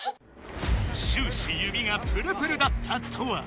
終始指がプルプルだったトア。